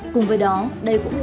cùng với đó đây cũng làm